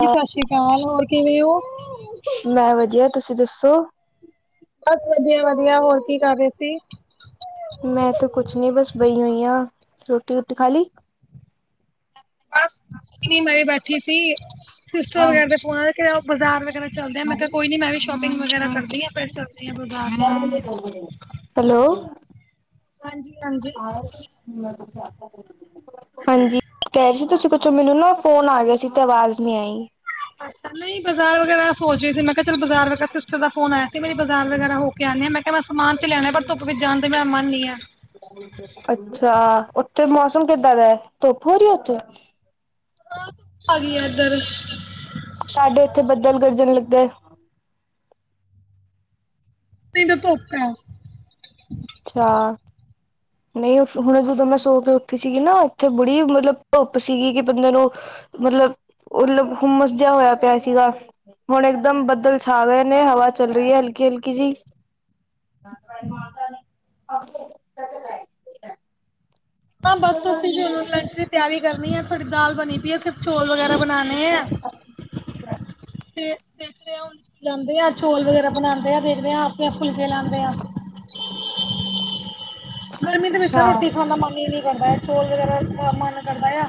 ਜੀ ਸਸ ਸ੍ਰੀ ਕਾਲ ਹੋਰ ਕਿਵੇਂ ਹੋ। ਮੈ ਵਧੀਆ ਤੁਸੀ ਦੱਸੋ। ਬਸ ਵਧੀਆ-ਵਧੀਆ ਹੋਰ ਕੀ ਕਰ ਰਹੇ ਸੀ। ਮੈਂ ਤਾਂ ਕੁਛ ਨੀ ਬਸ ਬਹੀ ਹੋਈ ਹਾਂ ਰੋਟੀ ਰੋਟੀ ਖਾ ਲਈ ਬਸ ਨੀ ਮੈਂ ਹੀ ਬੈਠੀ ਸੀ। ਸਿਸਟਰ ਵਗੈਰਾ ਦੇ ਫੋਨ ਆ ਉਹ ਬਜ਼ਾਰ ਵਗੈਰਾ ਚੱਲਦੇ ਆ ਮੈਂ ਕਿਹਾ ਕੋਈ ਨੀ ਮੈਂ ਵੀ ਸ਼ੋਪਿੰਗ ਵਗੈਰਾ ਕਰਦੀ ਹਾਂ ਫਿਰ ਚਲਦ ਚਲਦੀ ਆ ਬਾਜ਼ਾ [unintelligible] ਹੈਲੋ। ਹਾਂਜੀ-ਹਾਂਜੀ [unintelligible] ਹਾਂਜੀ, ਕਹਿ ਰਹੇ ਸੀ। ਤੁਸੀਂ ਪੁੱਛੋ ਮੈਨੂੰ ਨਾ ਫੋਨ ਆ ਗਿਆ ਸੀ ਤੇ ਆਵਾਜ਼ ਨਹੀਂ ਆਈ। ਅੱਛਾ, ਨਹੀਂ ਬਾਜ਼ਾਰ ਵਗੈਰਾ ਸੋ ਰਹੀ ਸੀ। ਮੈਂ ਕਿਹਾ ਚਲ ਬਾਜ਼ਾਰ ਵਗੈ ਸਿਸਟਰ ਫੋਨ ਆਇਆ ਸੀ। ਮੇਰੀ ਬਾਜ਼ਾਰ ਵਗੈਰਾ ਹੋ ਕੇ ਆਂਣੇ ਆ ਮੈਂ ਕਿਹਾ ਮੈ ਸਮਾਨ ਚ ਲੈਣਾ ਪਰ ਧੁੱਪ ਵਿੱਚ ਜਾਣ ਤੇ ਮੇਰਾ ਮਨ ਨੀ ਆ। ਅੱਛਾ, ਉੱਥੇ ਮੌਸਮ ਕਿੱਦਾਂ ਦਾ ਐ ਧੁੱਪ ਹੋ ਰਹੀ ਹੈ ਉੱਥੇ ਹਾਂ ਧੁੱਪ ਆ ਗਈ ਹੈ ਇੱਧਰ ਸਾਡੇ ਇੱਥੇ ਬੱਦਲ ਗਰਜਣ ਲੱਗੇ। ਇੰਜ ਧੁੱਪ ਆ ਅੱਛਾ ਨਹੀਂ ਹੁਣ ਜਦੋਂ ਮੈਂ ਸੋ ਕੇ ਉੱਠੀ ਸੀਗੀ ਨਾ ਉੱਥੇ ਬੜੀ ਮਤਲਬ ਧੁੱਪ ਸੀਗੀ ਕਿ ਬੰਦੇ ਨੂੰ ਮਤਲਬ-ਮਤਲਬ ਹੁੰਮਸ ਜਿਆ ਹੋਇਆ ਪਿਆ ਸੀਗਾ ਹੁਣ ਇੱਕਦਮ ਬੱਦਲ ਛਾ ਗਏ ਨੇਹਵਾ ਚੱਲ ਰਹੀ ਹੈ। ਹਲਕੀ-ਹਲਕੀ ਜੀ [inaudible] ਹਾਂ ਬਸ ਤੁਸੀ ਵੀ ਉਹਨੂੰ ਲੰਚ ਦੀ ਤਿਆਰੀ ਕਰਨੀ ਹੈ ਥੋਡੀ ਦਾਲ ਬਣੀ ਪਈ ਹੈ ਸਿਰਫ ਚੌਲ ਵਗੈਰਾ ਬਣਾਉਣੇ ਆ। ??? [inaudible] ਦੇਖ ਰ ਲਾਉਂਦੇ ਆ ਚੌਲ ਵਗੈਰਾ ਬਣਾਉਂਦੇ ਆ ਦੇਖਦੇ ਹਾਂ ਆਪਣੇ ਫੁਲਕੇ ਲਾਉਂਦੇ ਆ [unintelligible] ਗਰਮੀ ਦੇ ਵਿੱਚੋਂ ਅੱਛਾ ਰੋਟੀ ਖਾਂਣ ਦਾ ਮਨ ਈ ਨੀ। ਦਾ ਚੌਲ ਵਗੈਰਾ ਮਨ ਕਰਦਾ ਆ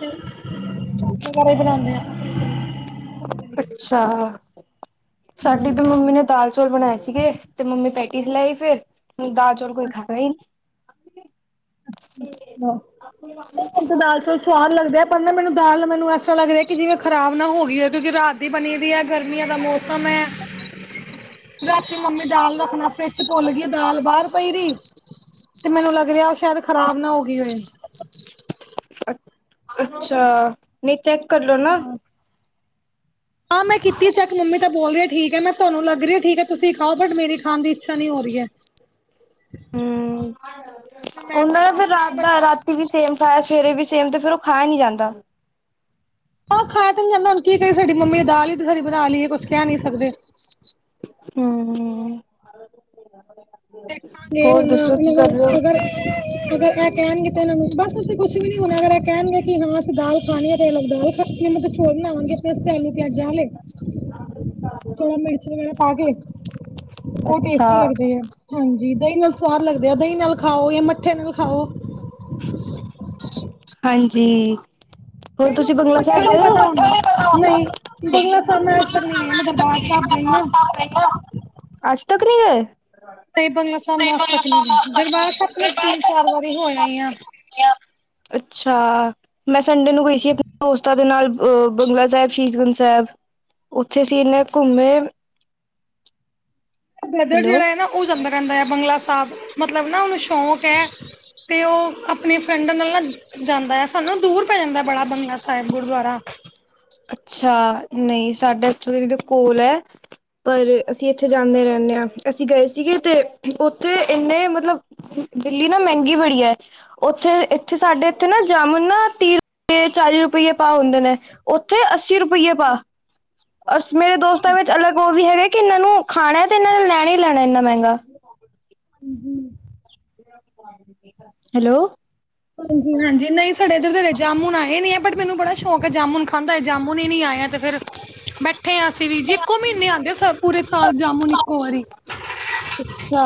ਤੇ ਵਗੈਰਾ ਹੀ ਬਣਾਉਂਦੇ ਆ ਅੱਛਾ। ਸਾਡੀ ਤੇ ਮੰਮੀ ਨੇ ਦਾਲ ਚੌਲ ਬਣਾਏ ਸੀਗੇ ਤੇ ਮੰਮੀ ਪੈਟੀਸ ਲਿਆਈ ਫਿਰ ਦਾਲ ਚੋਲ ਕੋਈ ਖਾਏਗਾ ਹੀ ਨੀ। ਮੈਨੂੰ ਤਾਂ ਦਾਲ ਚੌਲ [inaudible] ਸਵਾਦ ਲੱਗਦੇ ਐ ਪਰ ਨਾ ਮੈਨੂੰ ਦਾਲ ਮੈਨੂੰ ਇਸ ਤਰ੍ਹਾਂ ਲੱਗਦਾ ਕਿ ਜਿਵੇਂ ਖਰਾਬ ਨਾ ਹੋ ਗਈ ਹੈ ਕਿਉਂਕਿ ਰਾਤ ਬਣੀ ਵੀ ਹੈ। ਗਰਮੀਆਂ ਦਾ ਮੌਸਮ ਹੈ। ਰਾਤੀ ਮੰਮੀ ਦਾਲ ਰੱਖਣਾ ਫਰਿਜ ਚ ਭੁੱਲ ਗਈ ਦਾਲ ਬਾਹਰ ਪਈ ਰਹੀ। ਤੇ ਮੈਨੂੰ ਲੱਗ ਰਿਆ, ਉਹ ਸ਼ਾਇਦ ਖ਼ਰਾਬ ਨਾ ਹੋ ਗਈ ਹੋਏ। ਅੱਛਾ ਨੀ ਚੈੱਕ ਕਰਲੋ ਨਾ। ਹਾ ਮੈਂ ਕੀਤੀ ਚੈਕ ਮੰਮੀ ਬੋਲ ਰਿਹੀ ਠੀਕ ਹੈ ਮੈਂ ਤੁਹਾਨੂੰ ਲੱਗਹੀਹਾ ਠੀਕ ਹੈ। ਤੁਸੀਂ ਖਾਓ ਬਟ ਮੇਰੀ ਖਾਣ ਦੀ ਇੱਛਾ ਨਹੀਂੀ ਹੋ ਰਹੀ ਹੈ। ਹਮ ਮੈਂ ਤਾਂ ਉਹਨਾ ਦਾ ਫੇਰ ਖਾਵਾਂਗੀ ਰਾਤ ਨੀ ਦਾ ਮਤਲਬ ਰਾਤ ਟੀ ਵੀ ਸੇਮ ਖਾਇਆ ਸਵੇਰੇ ਵੀ ਸੇਮ ਤੇ ਫੇਰ ਉਹ ਖਾਆ ਨੀ ਜਾਂਦਾ। ਆਹ ਖਾਇਆ ਤਾਂ ਨੀ ਜਾਂਦਾ। ਹੁਣ ਕੀ ਕਰੀਏ ਸਾਡੀ ਮੰਮੀ ਨੇ ਦਾਲ ਹੀ ਸਾਰੀ ਬਣਾ ਲਈਏ, ਕੁਛ ਕਹਿ ਨੀ ਸਕਦੇ। ਹੂੰ-ਹੂੰ ਦੇਖਾਂਗੇ ਹੁਣ ਇਹਨਾਂ ਨੂੰ ਅਗਰ [unintelligible] ਅਗਰ ਇਹ ਕਹਿਣਗੇ ਤਾਂ ਇਹਨਾਂ ਨੂੰ ਬਸੱ ਉਥੇ ਕੁਛ ਵੀ ਨੀ ਹੁਣਾ ਅਗਰ ਇਹ ਕਹਿਣਗੇ ਕਿ ਹਾਂ ਅਸੀ ਦਾਲ ਖਾਣੀ ਆ ਤੇ ਦਾਲ ਮਤਲਬ ਚੋਲ ਬਣਾਵਾਂਗੇ ਆਪਣੇ ਆਸਤੇਆਲੂ ਪਿਆਜ਼ਾਂ ਵਾਲੇ। ਥੋੜਾ ਮਿਰਚ ਵਗੈਰਾ ਪਾ ਕੇ। ਉਹ ਅੱਛਾ ਟੇਸਟੀ ਲੱਗਦੇ ਆ ਹਾਂਜੀ ਦਹੀ ਨਾਲ ਸਵਾਦ ਲੱਗਦੇ ਆ ਦਹੀਂ ਨਾਲ ਖਾਓ ਜਾਂ ਮੱਠੇ ਨਾਲ ਖਾਓ। ਅ [unintelligible] ਹਾਂਜੀ ਹੋਰ ਕਈ ਤੁਸੀਂ ਲੋਕਾਂ ਨੂੰ ਬੰਗਲਾ ਸਾਹਿਬ ਮੱਠਾ ਨੀ ਗਏ ਪਤਾ ਹੁੰਦਾ ਨਹੀਂ ਹੋ? ਬੰਗਲਾ ਸਾਹਿਬ ਮੈਂ ਅਜ ਤੱਕ ਨੀ ਗਈ ਮੈਂ ਦਰਬਾਰ ਸਾਹਿਬ ਗਈ ਆ। [unintelligible] ਅੱਜ ਤੱਕ ਨਹੀਂ ਗਏ। ਨਹੀਂ ਬੰਗਲਾ ਸਾਹਿਬ ਮੈਂ ਅੱਜ ਤੱਕ ਨਹੀਂ ਗਈ ਦਰਬਾਰ ਸਾਹਿਬ ਤਾਂ ਮੈਂ ਤਿੰਨ ਚਾਰ ਵਾਰੀ ਹੋ ਆਈ ਆ [unintelligible] ਅੱਛਾ। ਮੈਂ ਸੰਡੇ ਨੂੰ ਗਈ ਸੀ ਆਪਣੇ ਦੋਸਤਾਂ ਦੇ ਨਾਲ ਅ ਬੰਗਲਾ ਸੈਬ, ਸੀਸ ਗੰਜ ਸੈਬ। ਉੱਥੇ ਅਸੀ ਇਨੇ ਘੁੰਮੇ। ਬਰਦਰ ਹੈਲੋ ਜਿਹੜਾ ਹੈ ਨਾ ਉਹ ਜਾਂਦਾ ਰਹਿੰਦਾ ਹੈ ਬੰਗਲਾ ਸਾਹਿਬ ਮਤਲਬ ਨਾ ਉਹਨੂੰ ਸ਼ੌਂਕ ਹੈ। ਤੇ ਉਹ ਆਪਣੀ ਫਰੈਂਡਾ ਨਾਲ ਜਾਂਦ ਐ। ਸਾਨੂੰ ਦੂਰ ਪੈ ਜਾਂਦਾ ਬੜਾ ਬੰਗਲਾ ਸਾਹਿਬ ਗੁਰਦੁਆਰਾ। ਅੱਛਾ ਨਹੀਂ ਸਾਡਾ ਸਕੂਲ ਦੇ ਕੋਲ ਐ। ਪਰ ਅਸੀਂ ਇੱਥੇ ਜਾਂਦੇ ਰਹਿੰਦੇ ਹਾਂ। ਅਸੀਂ ਗਏ ਸੀਗੇ ਤੇ ਉੱਥੇ, ਓਥੇ ਇੰਨੇ ਮਤਲਬ ਦਿੱਲੀ ਨਾ ਮਹਿੰਗੀ ਬੜੀ ਐ। ਉੱਥੇ ਤੇ ਸਾਡੇ ਇੱਥੇ ਨਾ ਜਾਮੁਨ ਨਾ ਤੀਹ ਰੁਪ- ਚਾਲੀ ਰੁਪਈ ਏ ਭਾਅ ਹੁੰਦੇ ਨੇ ਉੱਥੇ ਅੱਸੀ ਰੁਪ ਪਈਆ ਭਾ ਔਰ ਮੇਰੇ ਦੋਸਤਾਂ ਵਿੱਚ ਅਲੱਗ ਉਹ ਵੀ ਹੈਗਾ ਕਿ ਇਹਨਾਂ ਨੂੰ ਖਾਣਾ ਹੈ ਤੇ ਇਹਨਾਂ ਨੇ ਲੈਣਾ ਹੀ ਲੈਣਾ ਇੰਨਾ ਮਹਿੰਗਾ। ਹੂੰ ਹੂੰ ਹੈਲੋ। ਹਾਂਜੀ-ਹਾਂਜੀ ਨਹੀਂ ਸਾਡੇ ਇੱਧਰ ਤੇ ਜਾਮੁਨ ਆਏ ਨੀ ਹੈ ਬਟ ਮੈਨੂੰ ਬੜਾ ਸ਼ੌਕ ਹੈ ਜਾਮੁਨ ਖਾਨ ਦਾ ਜੇ ਜਾਮੁਨ ਹੀ ਨਹੀਂ ਆਇਆ ਤੇ ਫੇਰ ਬੈਠੇ ਹ ਅਸੀਂ ਵੀ ਜੀ ਇੱਕੋ ਮਹੀਨੇ ਆਉਂਦੇ ਪੂਰੇ ਸਾਲ ਜਾਮੁਨ ਇੱਕੋ ਵਾਰੀ ਅਛਾ।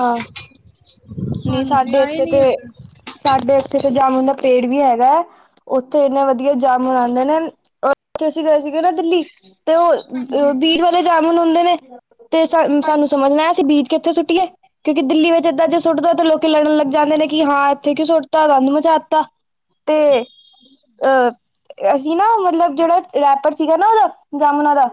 ਨਹੀਂ ਹਾਂਜੀ ਸਾਡੇ ਆਏ ਇੱਥੇ ਨਹੀਂ ਤੇ, ਹੈਗੇ ਸਾਡੇ ਇੱਥੇ ਤੇ ਜਾਮੁਨ ਦਾ ਪੇੜ ਵੀ ਹੈਗਾਐ। ਉੱਥੇ ਇੰਨੇ ਵਧੀਆ ਜਾਮੁਨ ਆਉਂਦੇ ਨੇ, ਉਥੇ ਅਸੀਂ ਗਏ ਸੀਗੇ ਨਾ ਦਿੱਲੀ ਤੇ ਉਹ ਹਾਂਜੀ ਬੀਜ ਵਾਲੇ ਜਾਮਨ ਹੁੰਦੇ ਨੇ, ਤੇ ਸਾਨੂੰ ਹਾਂਜੀ ਸਮਝਣਾ ਅਸੀਂ ਬੀਜ ਕਿੱਥੇ ਸੁੱਟੀਏ, ਕਿਉਂਕਿ ਦਿੱਲੀ ਵਿੱਚ ਏਦਾਂ ਜੇ ਸੁੱਟ ਦੋ, ਤਾਂ ਲੋਕੀ ਲੜਨ ਲੱਗ ਜਾਂਦੇ ਨੇ ਕਿ ਹਾਂ ਇੱਥੇ ਕਿਉਂ ਸੁੱਟਤਾ ਗੰਦ ਮਚਾ ਦਿੱਤਾ। ਤੇ ਆ, ਅਸੀਂ ਨਾ ਮਤਲਬ ਜਿਹੜਾ ਰੈਪਰ ਸੀਗਾ ਨਾ ਉਹਦਾ ਜਾਮੁਨਾ ਦਾ।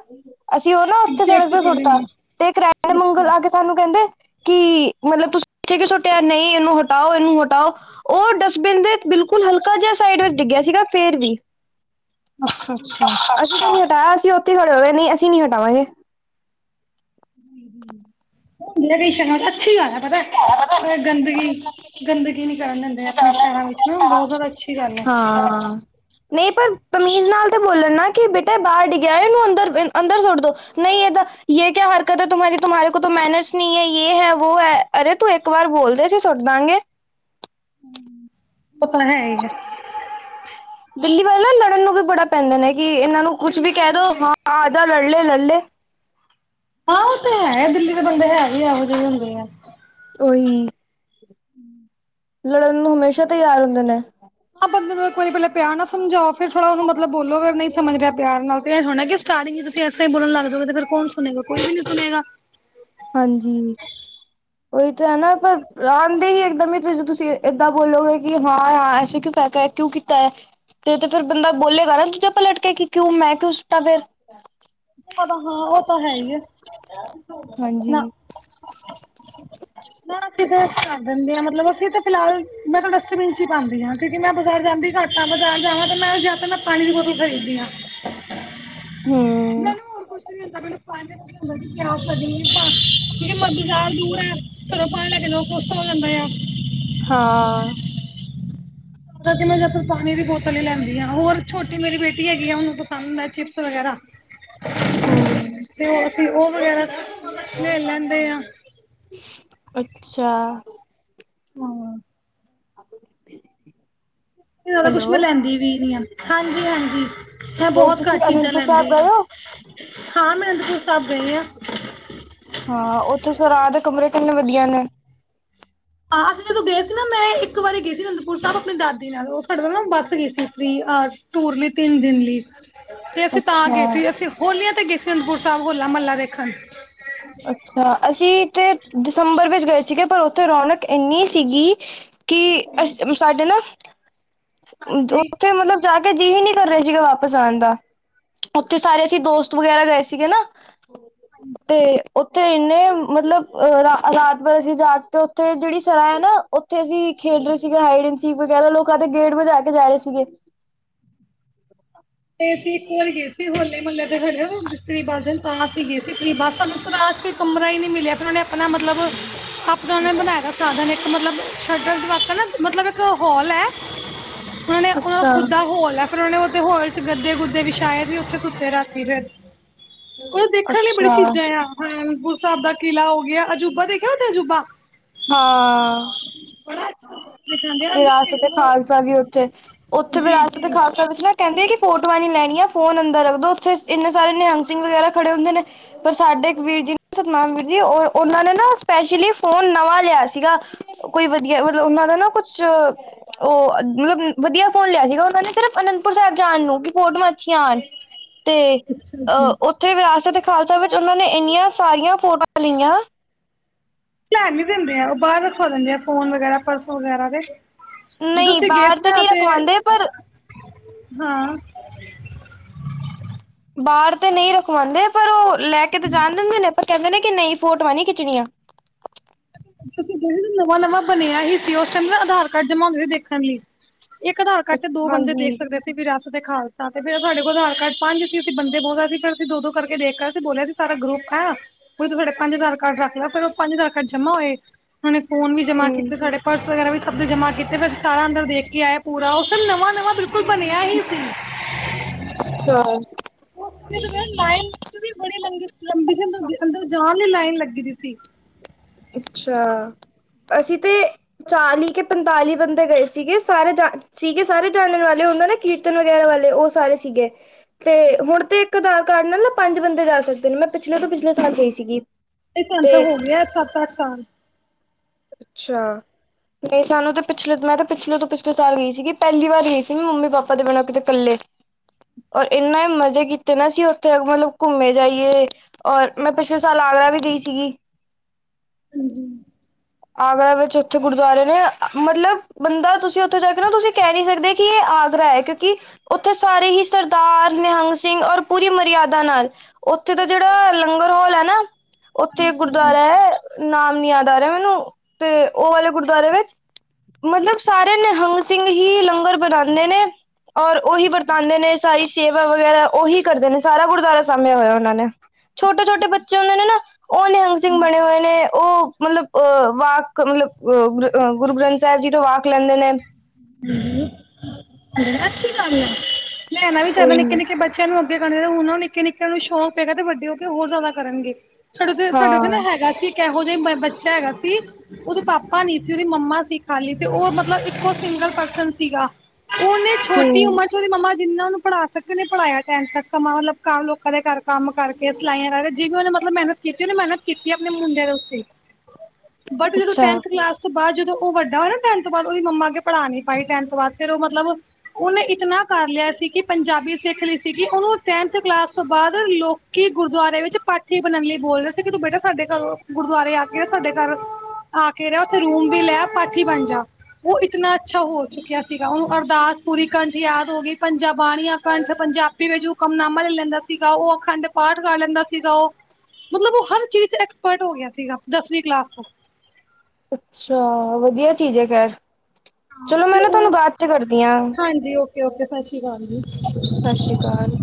ਅਸੀਂ ਉਹ ਨਾ ਉੱਥੇ ਚੈੱਕ ਸੜਕ ਤੇ ਕਰ ਰਹੇ ਸੁੱਟਤਾ। ਨੇ ਤੇ ਕਰਿਆਣੇ ਮਗਲ ਅੱਛਾ ਆ ਕੇ ਸਾਨੂੰ ਕਹਿੰਦੇ ਕੀ, ਮਤਲਬ ਤੁਸੀਂ ਉਠੇ ਕਿਉ ਸੁ ਕੇ ਨਹੀਂ ਇਹਨੂੰ ਹਟਾਓ, ਇਹਨੂੰ ਹਟਾਓ ਉਹ ਡਸਟਬਿਨ ਦੇ ਬਿਲਕੁਲ ਹਲਕਾ ਜਿਹਾ ਸਾਈਡ ਵਿੱਚ ਡਿੱਗਿਆ ਸੀਗਾ ਫੇਰ ਵੀ। ਅੱਛਾ ਅੱਛਾ। ਅਸੀਂ ਨੀ ਹਟਾਇਆ ਅਸੀ ਉੱਥੇ ਖੜੇ ਹੋ ਗਏ ਨਹੀਂ ਅਸੀਂ ਨਾ ਹਟਾਵਾਗੇ। ਹੁਣ ਏ ਵੀ ਅੱਛੀ ਗੱਲ ਹੈ ਪਤਾ। ਉਐ ਗੰਦਗੀ, ਗੰਦਗੀ ਨੀ ਕਰਨ ਦਿੰਦੇ ਆ ਆਪਣੇ ਸ਼ਹਿਰਾਂ ਵਿੱਚ ਨਾ ਬਹੁਤ ਜ਼ਿਆਦਾ ਅੱਛੀ ਗੱਲ ਐ। ਹਾਂ ਨਹੀਂ ਪਰ, ਤਮੀਜ਼ ਨਾਲ ਤਾਂ ਬੋਲਣ ਨਾ ਕਿ ਬੇਟਾ ਬਾਹਰ ਡਿੱਗਿਆ ਇਹਨੂੰ ਅੰਦਰ-ਅੰਦਰ ਸੁੱਟ ਦੋ, ਨਹੀਂ ਇਹਦਾ ਯ ਕਿਹਾ ਹਰਕਤ ਹੈ ਤੁਮਾਰੀ ਤੁਮਾਰੇ ਕੋ ਮੈਨਰਸ ਨਹੀਂ ਹੈ ਯ ਇਹ ਹੈ, ਵੋ ਹੈ ਅਰੇ ਤੂੰ ਇੱਕ ਵਾਰ ਬੋਲਦੇ ਸੀੇ ਸੁੱਟ ਦਾਂਗੇ। ਔ ਤੇ ਹਾਂ ਹੀ ਹੈ। ਦਿੱਲੀ ਵੱਲ ਨਾ ਲੜਨ ਨੂੰ ਵੀ ਬੜਾ ਪੈਂਦੇ ਨੇ ਕੀ ਇਹਨਾਂ ਨੂੰ ਕੁਛ ਵੀ ਦਿੱਲੀ ਦੇ ਕਹਿ ਦੋ ਬੰਦੇ ਹਾਂ ਆ ਜਾ ਲੜ ਲੈ ਲੜ ਲੈ। ਹਾਂ ਉਹ ਤਾਂ ਹੈ ਦਿੱਲੀ ਦੇ ਬੰਦੇ ਹੈ ਵੀ ਇਹੋ ਜਿਹੇ ਹੁੰਦੇ ਆ। ਉਹੀ। ਲੜਨ ਨੂੰ ਹਮੇਸ਼ਾ ਤਿਆਰ ਹੁੰਦੇ ਨੇ। ਆਹ ਬੰਦੇ ਨੂੰ ਇੱਕ ਵਾਰੀ ਪਹਿਲਾਂ ਪਿਆਰ ਨਾਲ ਸਮਝਾਓ ਫਿਰ ਥੋੜਾ ਉਹਨੂੰ ਮਤਲਬ ਬੋਲੋ ਫਿਰ ਨਹੀਂ ਸਮਝ ਰਿਹਾ ਪਿਆਰ ਨਾਲ ਤੇ ਇਹ ਹੋਣਾ ਕੀ ਸਟਾਟਿੰਗ ਤੁਸੀਂ ਇਸ ਤਰ੍ਹਾਂ ਹੀ ਬੋਣ ਲੱਗ ਜਾਓਗੇ ਫੇਰ ਕੌਣ ਸੁਣੇਗਾ ਕੋਈ ਨੀ ਸੁਣੇਗਾ। ਹਾਂਜੀ। ਉਹੀ ਤਾਂ ਹੈ ਨਾ ਪਰ, ਆਉਣ ਦੇ ਹੀ ਇੱਕ ਦਮ ਤੁਸੀਂ ਏਦਾਂ ਬੋਲੋਗੇ ਕਿ ਹਾਂ- ਹਾਂ ਐਸੇੈ‌ ਕਿਉ ਫੇ ਤੇ ਏ ਕਿਉਂ ਕੀਤਾ ਐ। ਤੇ ਫ਼ਿਰ ਬੰਦਾ ਬੋਲੇਗਾ ਨਾ ਦੂਜੇ ਆਪਾਂ ਲੜਕੇ ਕਿ ਕਿਉਂ ਮੈਂ ਕਿਉਂ ਸੁੱਟਾ ਫੇਰ। ੳ ਪਤਾ ਹਾਂ ਉਹ ਤਾਂ ਹੈ ਹੀ ਐ ਹਾਂਜੀ ਨਾ। [unintelligible] ਤੇ ਅਸੀ ਘਰ ਦਿੰਦੇ ਹਾਂ ਮਤਲਬ ਅਸੀਂ ਤਾਂ ਫਿਲਹਾਲ ਮੈਂ ਤਾਂ ਡਸਟਬਿਨ ਚ ਹੀ ਪਾਉਂਦੀ ਹਾਂ ਕਿਉਂਕਿ ਮੈਂ ਬਾਜ਼ਾਰ ਜਾਂਦੀ ਘੱਟ ਤਾਂ ਬਾਜ਼ਾਰ ਜਾਵਾਂ ਤੇ ਮੈਂ ਜਾ ਕੇ ਮੈਂ ਪਾਣੀ ਦੀ ਬੋਤਲ ਖਰੀਦੀ ਹਾਂ। ਹਮ ਮੈਨੂੰ ਹੋਰ ਕੁਛ ਨੀ ਪਹਿਲੇ ਪਾਣੀ ਦੀ ਬੋਤਲ [unintelligible] ਕੋਈ ਹੋ ਪਾ ਲੈਂਦੇ ਲੋਕ ਆ ਗੁੱਸਾ ਹੋ ਜਾਂਦੇ ਆ। ਹਾਂ ਜਾਕੇ ਮੈਂ ਨਾ ਪਾਣੀ ਦੀ ਬੋਤਲ ਹੀ ਲੈਂਦੀ ਹਾਂ। ਹੋਰ ਛੋਟੀ ਮੇਰੀ ਬੇਟੀ ਹੈਗੀ ਆ ਉਹਨੂੰ ਪਸੰਦ ਹੈ ਚਿਪਸ ਵਗੈਰਾ। ਹੂੰ ਅਤੇ ਫ ਉਹ ਵਗੈਰਾ ਖੇ ਲੈਂਦੇ ਆ। ਅੱਛਾ ਹਾਂ [unintelligible] [unintelligible] ਤੇ ਜ਼ਿਆਦਾ ਕੁਛ ਮੈਂ ਹੈਲੋ ਲੈਂਦੀ ਵੀ ਨਹੀਂ ਹੈ ਹਾਂਜੀ ਹਾਂਜੀ ਮੈਂ ਹੋਰ ਬਹੁਤ ਤੁਸੀਂ ਘੱਟ ਚੀਜ਼ਾਂ ਅਨੰਦਪੁਰ ਸਾਹਿਬ ਲੈਂਦੀ ਹਾਂ ਗਏ ਹੋ ਹਾਂ ਮੈਂ ਅਨੰਦਪੁਰ ਸਾਹਿਬ ਗਈ ਹਾਂ ਹਾਂ ਉੱਥੇ ਸੁਕਰਾਤ ਦੇ ਕਮਰੇ ਕਿੰਨੇ ਵਧੀਆ ਨੇ ਆਹ ਅਸੀਂ ਜਦੋਂ ਗਏ ਸੀ ਨਾ ਮੈਂ ਇੱਕ ਵਾਰੀ ਗਈ ਸੀ ਅਨੰਦਪੁਰ ਸਾਹਿਬ ਆਪਣੀ ਦਾਦੀ ਨਾਲ ਉਹ ਸਾਡੇ ਨਾ ਬੱਸ ਗਈ ਸੀ ਫਰੀ ਆ ਟੂਰ ਲਈ ਤਿੰਨ ਦਿਨ ਲਈ। ਤੇ ਅਸੀਂ ਤਾਂ ਅੱਛਾ ਗਏ ਸੀ ਅਸੀਂ ਹੋਲੀਆਂ ਤੇ ਗਏ ਸੀ ਅਨੰਦਪੁਰ ਸਾਹਿਬ ਹੋਲਾ ਮਹੱਲਾ ਦੇਖਣ [unintelligible] ਅੱਛਾ ਅਸੀਂ ਤੇ ਦਸੰਬਰ ਵਿੱਚ ਗਏ ਸੀਗੇ ਪਰ ਉੱਥੇ ਰੌਨਕ ਇੰਨੀ ਸੀਗੀ ਕਿ ਅਸੀਂ ਸਾਡੇ ਨਾ ਹਾਂਜੀ ਉੱਥੇ ਮਤਲਬ ਜਾ ਕੇ ਜੀ ਹੀ ਨਹੀ ਕਰ ਰਹੇ ਸੀਗੇ ਵਾਪਿਸ ਆਉਣ ਦਾ ਥੇ ਸਾਰੇ ਅਸੀ ਦੋਸਤ ਵਗੈਰਾ ਗਏ ਸੀਗੇ ਨਾ ਹਾਂਜੀ। ਤੇ ਉੱਥੇ ਇੰਨੇ ਮਤਲਬ ਰਾਤ ਭਰ ਅਸੀਂ ਜਾ ਤੇ ਉੱਥੇ ਜਿਹੜੀ ਸਰਹ ਹੈ ਨਾ। ਉੱਥੇ ਅਸੀਂ ਖੇਡ ਰਹੇ ਸੀਗੇ ਹਾਈਡਡ ਸੀਫ ਵਗੈਰਾ ਲੋਕਾਂ ਦੇ ਗੇਟ ਵਜਾ ਕੇ ਜਾ ਰਹੇ ਸੀਗੇ ਤੇਸੀਂ ਭੁੱਲ ਗਏ ਸੀ ਹੋਲੇ ਮੁਹੱਲੇ ਤੇ ਖੜੇ ਹੋ। ਫਰੀ ਬੱਸ ਦਿਨ ਤਾਂ ਅਸੀਂ ਗਏ ਸੀ ਫਰੀ ਬੱਸ ਆਸ ਕੋਈ ਕਮਰਾ ਹੀ ਨਹੀਂ ਮਿਲਿਆ ਫਿਰ ਉਹਨੇ ਆਪਣਾ ਮਤਲਬ ਆਪਣਾ ਨੇ ਬਣਾਇਏ ਰੱਖ ਸਾਧਨ ਇੱਕ ਮਤਲਬ ਸ਼ਟਰ ਨਾ ਮਤਲਬ ਇੱਕ ਹਾਲ ਹੈ। ਉਹਨਾਂ ਨੇ ਉਹ ਅੱਛਾ, ਖੁਦ ਦਾ ਹੋਲ ਹੈ ਫਿਰ ਉਹਨਾ ਉੱਥੇ ਹੋਲ ਗੱਦੇ ਗੁਰਦੇ ਵਿਛਾਏ ਵੀ ਉੱਥੇ ਕੁੱਤੇ ਰਾਤੀ ਫਿਰ ਉਹ ਦੇਖਣ ਲਈ ਬੜੀ ਅੱਛਾ। ਚੀਜ਼ਾਂ ਆ ਹਪੁਰ ਸਾਹਿਬ ਦਾ ਕਿਲ੍ਹਾ ਹੋ ਗਿਆ ਅਜੂਬਾ ਦੇਖਿਆ ਉਥੇ ਅਜੂਬਾ ਹਾਂ। ਬੜਾ ਅੱਛਾ ਦਿਖਾਉਂਦੇ ਆ ਵਿਰਾਸਤ ਤੇ ਖਾਲਸਾ ਵੀ ਉੱਥੇ ਉੱਥੇ ਜੀ ਵਿਰਾਸਤ ਜੀ ਖਾਲਸਾ ਵਿੱਚ ਨਾ ਕਹਿੰਦੇ ਕਿ ਫੋਟੋਆਂ ਨੀ ਲੈਣੀਆਂ ਫੋਨ ਅੰਦਰ ਰੱਖਦੋ ਉੱਥੇ ਇੰਨੇ ਸਾਰੇ ਨਿਹੰਗ ਸਿੰਘ ਵਗੈਰਾ ਖੜੇ ਹੁੰਦੇ ਨੇ ਪਰ ਸਾਡੇ ਇੱਕ ਵੀਰ ਜੀ ਨੇ ਸਤਿਨਾਮ ਵੀਰ ਜੀ ਉਹਨਾਂ ਨੇ ਨਾ ਸਪੈਸ਼ਲੀ ਫੋਨ ਨਵਾਂ ਲਿਆ ਸੀਗਾ ਕੋਈ ਵਧੀਆ ਮਤਲਬ ਉਹਨਾਂ ਦਾ ਨਾ ਕੁਛ ਉਹ ਮਤਲਬ ਵਧੀਆ ਫੋਨ ਲਿਆ ਸੀਗਾ ਉਹਨਾਂ ਨੇ ਸਿਰਫ਼ ਅਨੰਦਪੁਰ ਸਾਹਿਬ ਜਾਣ ਨੂੰ ਕਿ ਫੋਟੋਆਂ ਅੱਛੀਆਂ ਆਉਣ। [inaudible] ਤੇ ਅੱਛਾ ਜੀ ਅਹ ਉੱਥੇ ਵਿਰਾਸਤ ਤੇ ਖਾਲਸਾ ਵਿੱਚ ਉਹਨਾਂ ਨੇ ਇੰਨੀਆਂ ਸਾਰੀਆਂ ਫੋਟੋਆਂ ਲਈਆਂ। ਪਰ ਨੀ ਦਿੰਦੇ ਆ ਉਹ ਬਾਹਰ ਰਖਾ ਦਿੰਦੇ ਆ ਫੋਨ ਵਗੈਰਾ ਪਰਸੋਂ ਵਗੈਰਾ ਤੇ ਜਦੋਂ ਨਹੀਂ ਉਥੇ ਗਏ ਬਾਹਰ ਸੀ ਨਾ ਨਹੀਂ ਤੇ ਰਖਵਾਉਂਦੇ ਪਰ ਹਾਂ ਬਾਹਰ ਤੇ ਨਹੀਂ ਰਖਵਾਉਂਦੇ ਪਰ ਉਹ ਲੈ ਕੇ ਤੇ ਜਾਣ ਦਿੰਦੇ ਨੇ ਪਰ ਕਹਿੰਦੇ ਨੇ ਕਿ ਨਹੀਂ ਫੋਟੋਆਂ ਨ ਖਿੱਚਣੀਆਂ ਨਵਾਂ ਨਵਾਂ ਬਣਿਆ ਹੀ ਸੀ ਉਸ ਟਾਈਮ ਨਾ ਆਧਾਰ ਕਾਰਡ ਜਮਾਉਂਦੇ ਦੇਖਣ ਲਈ ਇੱਕ ਆਧਾਰ ਕਾਰਡ ਤੇ ਦੋ ਬੰਦੇ ਦੇਖ ਹਾਂਜੀ ਸਕਦੇ। ਬੀਰਰਸ ਦੇ ਖਾਲਸਾ ਤੇ ਫਿਰ, ਸਾਡੇ ਕੋਲ ਆਧਾਰ ਕਾਰਡ ਪੰਜ -ਸੀ ਅਸੀਂ ਪੰਜੇ ਸੀ ਬੋਲਦਾ ਸੀ ਪਰ ਅਸੀਂ ਦੋ ਦੋ ਕਰਕੇ ਦੇਖ ਕੇ ਤੇ ਬੋਲਿਆ ਸੀ ਸਾਰਾ ਗਰੁੱਪ ਹੈ, ਉਹ ਵੀ ਤੁਹਾਡੇ ਪੰਜ ਹਜ਼ਾਰ ਕਾਰਡ ਰੱਖ ਲੈ ਉਹ ਪੰਜ ਹਜਾਰ ਫਿਰ ਜਮਾ ਹੋਏ, ਉਹਨਾਂ ਨੇ ਫੋਨ ਵੀ ਜਮਾ ਕੀਤੇ, ਸਾਡੇ ਪਰਸ ਵਗੈਰਾ, ਵੀ ਸਭ ਦੇ ਜਮ੍ਹਾਂ ਕੀਤੇ ਫਿਰ, ਸਾਰਾ ਅੰਦਰ ਦੇਖ ਕੇ ਆਇਆ ਪੂਰਾ, ਉਹ ਸਿਰ ਨਵਾਂ ਵਾਂ ਬਿਲਕੁਲ ਬਣਿਆ ਹੀ ਸੀ। ਅੱਛਾ ਉਹ ਲਾਈਨ ਵੀ, ਬੜੀ ਲੰਬੀ ਸੀ, ਅੰਦਰ ਜਾਣ ਦੀ ਲਾਈਨ ਲੱਗੀ, ਸੀ ਅੱਛਾ, ਅਸੀਂ ਤੇ ਚਾਲੀ ਕੇ ਪੰਤਾਲੀ ਬੰਦੇ ਗਏ ਸੀਗੇ ਸਾਰੇ ਜਾ ਸੀਗੇ ਸਾਰੇ ਜਾਣਣ ਵਾਲੇ ਹੁੰਦੇ ਨਾ ਕੀ ਕੀਰਤਨ ਵਗੈਰਾ ਵਾਲੇ ਉਹ ਸਾਰੇ ਸੀਗੇ। ਤੇ ਹੁਣ ਤੇ ਇੱਕ ਆਧਾਰ ਕਾਰਡ ਨਾਲ ਨਾ ਪੰਜ ਬੰਦੇ ਜਾ ਸਕਦੇ ਨੇ। ਮੈਂ ਪਿਛਲੇ ਤੋਂ ਪਿਛਲੇ ਸਾਲ ਗਈ ਸੀਗੀ। ਤੇ ਸਾਨੂੰ ਹੋ ਗਏ, ਸਤ ਅੱਠ ਸਾਲ ਅੱਛਾ ਨਹੀਂ ਸਾਨੂੰ ਤਾਂ ਪਿਛਲੇ ਮੈਂ ਤਾਂ ਪਿਛਲੇ ਤੋਂ ਪਿਛਲੇ ਸਾਲ ਗਈ ਸੀਗੀ ਪਹਿਲੀ ਵਾਰ ਗਈ ਸੀ ਮ ਮੰਮੀ ਪਾਪਾ ਦੇ ਬਿਨਾਂ ਕਿਤੇ। ਇਕੱਲੇ ਔਰ ਇੰਨਾ ਮਜ਼ੇ ਕੀਤੇ ਨਾ ਸੀ ਉੱਥੇ ਮਤਲਬ ਘੁੰਮੇ ਜਾਈਏ। ਔਰ ਮੈਂ ਪਿਛਲੇ ਸਾਲ ਆਗਰਾ ਵੀ ਗਈ ਸੀਗੀ। ਹਾਂਜੀ। ਆਗਰਾ ਵਿੱਚ ਉੱਥੇ ਗੁਰਦੁਆਰੇ ਨੇ ਮਤਲਬ ਬੰਦਾ ਤੁਸੀਂ ਉੱਥੇ ਜਾ ਕੇ ਨਾ ਤੁਸੀਂ ਕਹਿ ਨਈ ਸਕਦੇ ਕੀ ਇਹ ਆਗਰਾ ਹੈ ਕਿਉਂਕਿ ਉੱਥੇ ਸਾਰੇ ਹੀ ਸਰਦਾਰ ਨਿਹੰਗ ਸਿੰਘ ਔਰ ਪੂਰੀ ਮਰਿਆਦਾ ਨਾਲ ਉੱਥੇ ਦਾ ਜਿਹੜਾ ਲੰਗਰ ਹਾਲ ਹੈ ਨਾ ਉੱਥੇ ਇੱਕ ਗੁਰਦੁਆਰਾ ਹੈ ਨਾਮ ਨੀ ਯਾਦ ਆ ਰਿਹਾ ਮੈਨੂੰ ਤੇ ਉਹ ਵਾਲੇ ਗੁਰਦੁਆਰੇ ਵਿੱਚ ਮਤਲਬ ਸਾਰੇ ਨਿਹੰਗ ਸਿੰਘ ਹੀ ਲੰਗਰ ਬਣਾਦੇ ਨੇ। ਔਰ ਉਹੀ ਵਰਤਾਂਉਂਦੇ ਨੇ ਸਾਰੀ ਸੇਵਾ ਵਗੈਰਾ ਉਹੀ ਕਰਦੇ ਨੇ ਸਾਰਾ ਗੁਰਦੁਆਰਾ ਸਾਭਿਆ ਹੋਇਆ ਉਹਨਾ ਨੇ। ਛੋਟੇ-ਛੋਟੇ ਬੱਚੇ ਵਾਲੇ ਨੇ ਨਾ ਉਹ ਨਿਹੰਗ ਸਿੰਘ ਬਣੇ ਹੋਏ ਨੇ ਉਹ ਮਤਲਬ ਅਹ ਵਾਕ ਮਤਲਬ ਅ ਗੁਰੂ ਗ੍ਰੰਥ ਸਾਹਿਬ ਜੀ ਤੋਂ ਵਾਕ ਲੈਂਦੇ ਨੇ ਅੱਛੀ ਗੱਲ ਐ ਲੈਣਾ ਵੀ ਚਾਹੁੰਦਾ ਉਹੀ ਨਿੱਕੇ-ਨਿੱਕੇ ਬੱ ਬੱਚਿਆਂ ਨੂੰ ਅੱਗੇ ਕਰਨ ਹੁਣ ਨਿੱਕੇ ਨਿੱਕੇਆਂ ਨੂੰ ਸ਼ੌਕ ਪਏਗਾ ਤੇ ਵੱਡੇ ਹੋ ਕੇ ਹੋਰ ਜਾਦਾ ਕਰਨਗੇ। ਸਾਡੇ ਉਥੇ ਸਾਡੇ ਉਥੇ ਹਾਂ ਨਾ ਹੈਗਾ ਸੀ। ਇੱਕ ਇਹੋ ਜਿਹਾ ਬੱਚਾ ਹੈਗਾ ਸੀ ਉਹਦੇ ਪਾਪਾ ਨਈ ਸੀ ਉਹਦੀ ਮੰਮਾ ਸੀ ਖਾਲੀ ਤੇ ਉਹ ਮਤਲਬ ਇੱਕੋ ਸਿੰਗਲ ਪਰਸਨ ਸੀਗਾ ਉਹਨੇ ਛੋਟੀ ਹਮ ਉਮਰ ਉਹਦੀ ਮੰਮਾ ਜਿੰਨਾ ਉਹਨੂੰ ਪੜ੍ਹਾ ਸਕੇ ਉਹੇ ਪੜ੍ਹਾਇਆ ਟੈਨਥ ਤੱਕ ਮਤਲਬ ਲੋਕਾ ਦੇ ਘਰ ਕੰਮ ਕਰਕੇ ਸਲਾਈਆਂ ਕਰ ਜਿਵੇ ਵੀ ਉਹਨੇ ਮਤਲਬ ਮਿਹਨਤ ਕੀਤੀ ਉਹਨੇ, ਮਿਹਨਤ ਕੀਤੀ ਆਪਣੇ ਮੁੰਡੇ ਦੇ ਉੱਤੇ। ਬਟ ਜਦੋਂ ਅੱਛਾ ਟੈਂਨਥ ਕਲਾਸ ਤੋਂ ਬਾਦ ਜਦੋਂ ਉਹ ਵੱਡਾ ਹੋਇਆ ਨਾ ਟੈਨਥ ਤੋਂ ਬਾਦ ਉਹਦੀ ਮੰਮਾ ਪੜਾ ਨਈ ਪਾਈ ਟੈਨਥ ਬਾਦ ਫਿਰ ਉਹ ਮਤਲਬ ਉਹਨੇ ਇਤਨਾ ਕਰ ਲਿਆ ਸੀ ਕਿ ਪੰਜਾਬੀ ਸਿੱਖ ਲਈ ਸੀਗੀ ਉਹਨੂੰ ਟੈਨਥ ਕਲਾਸ ਤੋਂ ਬਾਦ ਲੋ ਕਿ ਗੁਰਦੁਆਰੇ ਵਿੱਚ ਪਾਠੀ ਬਣਨ ਲਈ ਬੋਲਦੇ ਸੀ ਕਿ ਤੂੰ ਬੇਟਾ ਸਾਡੇ ਘਰ ਗੁਰਦੁਆਰੇ ਆ ਕੇ ਸਾਡੇ ਘਰ ਆ ਕੇ ਰਿਹਾ ਉੱਥੇ ਰੂਮ ਵੀ ਲੈ ਪਾਠੀ ਬਣ ਜਾ ਉਹ ਇਤਨਾ ਅੱਛਾ ਹੋ ਚੁੱਕਿਆ ਸੀਗਾ ਉਹਨੂੰ ਅਰਦਾਸ ਪੂਰੀ ਕੰਠ ਯਾਦ ਹੋ ਗਈ ਪੰਜ ਬਾਣੀਆਂ ਕੰਠ ਪੰਜਾਬ ਫਿਰ ਜੋ ਹੁਕਮਨਾਮਾ ਲੈ ਲੈਂਦਾ ਸੀਗਾ ਉਹ, ਅਖੰਡ ਪਾਠ ਕਰ ਲੈਂਦਾ ਸੀਗਾ ਉਹ। ਮਤਲਬ ਉਹ ਹਰ ਚੀਜ਼ ਐਕਸਪਰਟ ਹੋ ਗਿਆ ਸੀਗਾ ਦਸਵੀਂ ਕਲਾਸ ਤੋ। ਅੱਛਾ ਵਧੀਆ ਚੀਜ਼ ਹੈ ਖੈਰ ਹਾਂ ਚਲੋ ਮੈਂ ਨਾ ਤੁਹਾਨੂੰ ਬਾਦ ਚ ਕਰਦੀ ਹਾਂ। ਕਿ ਓਕੇ ਸਸ ਸ੍ਰੀ ਕਾਲ ਜੀ। ਸਸ ਸ੍ਰੀ ਕਾਲ।